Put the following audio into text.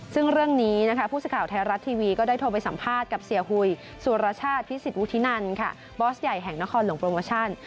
ซึ่งเรื่องนี้นะคะผู้สื่อข่าวไทยรัฐทีวีก็ได้โทรไปสัมภาษณ์กับเสียหุยสุรชาติพิสิทธวุฒินันค่ะบอสใหญ่แห่งนครหลวงโปรโมชั่น